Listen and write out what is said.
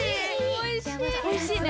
おいしいね！